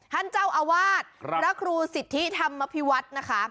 ท่านเจ้าอาวาสลักรู้สิทธิธรรมพิวัติ